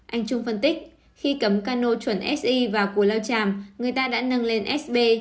anh trung phân tích khi cấm cano chuẩn si vào của lao chàm người ta đã nâng lên sb